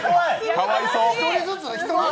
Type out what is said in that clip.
かわいそう。